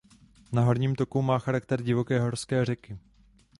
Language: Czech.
Na horním toku má charakter divoké horské řeky.